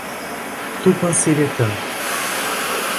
Tupanciretã